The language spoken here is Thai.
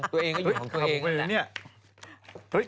ตัวเองก็อยู่ของตัวเองแหละ